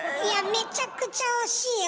めちゃくちゃ惜しいよ。